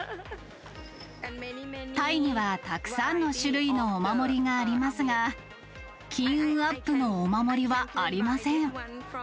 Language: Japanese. タイには、たくさんの種類のお守りがありますが、金運アップのお守りはありません。